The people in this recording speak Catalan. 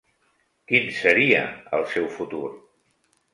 Quin seria el seu futur?